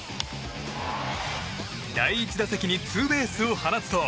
第１打席にツーベースを放つと。